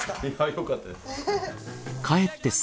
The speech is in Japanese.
よかったです。